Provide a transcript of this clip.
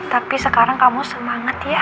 tapi sekarang kamu semangat ya